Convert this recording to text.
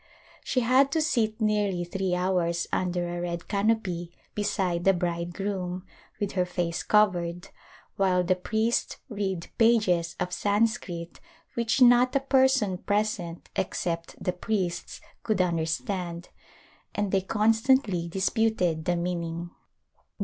She had to sit nearly three hours under a red canopy beside the bridegroom — with her face covered — while the priest read pages of Sanskrit which not a person present except the priests could understand and they constantly disputed the meaning.